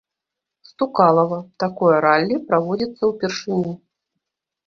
Стукалава, такое раллі праводзіцца ўпершыню.